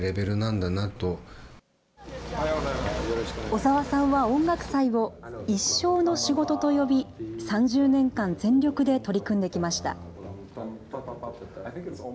小澤さんは音楽祭を一生の仕事と呼び、３０年間全力で取り組んできました。